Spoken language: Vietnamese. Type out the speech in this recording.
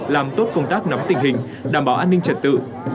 làm tốt công tác nắm tình hình đảm bảo an ninh trật tự